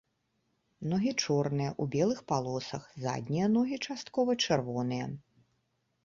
Ногі чорныя, у белых палосах, заднія ногі часткова чырвоныя.